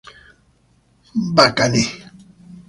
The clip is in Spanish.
Baka ne!